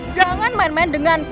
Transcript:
jangan main main dengan